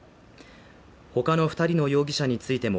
他の２人の容疑者についても